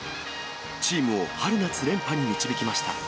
チームを春夏連覇に導きました。